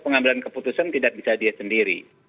pengambilan keputusan tidak bisa dia sendiri